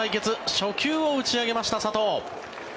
初球を打ち上げました、佐藤。